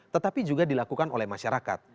tetapi juga dilakukan oleh masyarakat